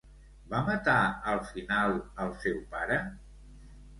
Va matar al final al seu pare?